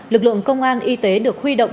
lực lượng công an y tế được huy động